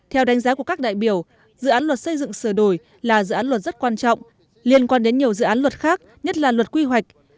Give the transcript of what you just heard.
theo đánh giá của các đại biểu dự án luật xây dựng sửa đổi là dự án luật rất quan trọng liên quan đến nhiều dự án luật khác nhất là luật quy hoạch